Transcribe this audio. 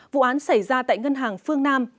vụ án xảy ra tại ngân hàng phương nam